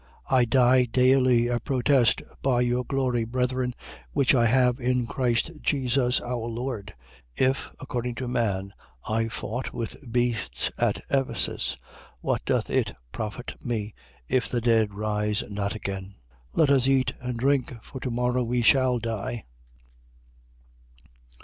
15:31. I die daily, I protest by your glory, brethren, which I have in Christ Jesus our Lord. 15:32. If (according to man) I fought with beasts at Ephesus, what doth it profit me, if the dead rise not again? Let us eat and drink, for to morrow we shall die.